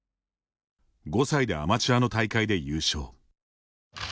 ５歳でアマチュアの大会で優勝。